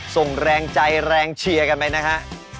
ส่งแรงใจแรงเชียร์กันไปนะฮะ